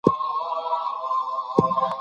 خپل مخ په پاکو اوبو او صابون ومینځئ.